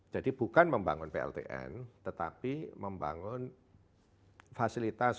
jadi bukan membangun pltn tetapi membangun fasilitas